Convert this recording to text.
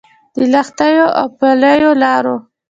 د لښتيو او پلیو لارو